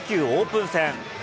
オープン戦。